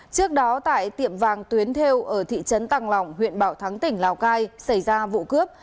trước đó tại tiệm vàng tuyến theo ở thị trấn tăng lòng huyện bảo thắng tỉnh lào cai xảy ra vụ cướp